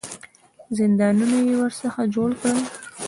زندانونه یې ورڅخه جوړ کړل.